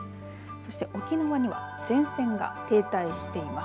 そして沖縄には前線が停滞しています。